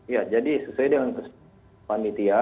ya jadi sesuai dengan pak mitya